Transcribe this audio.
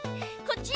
こっち！